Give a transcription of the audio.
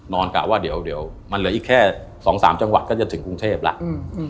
กะว่าเดี๋ยวมันเหลืออีกแค่๒๓จังหวัดก็จะถึงกรุงเทพแล้ว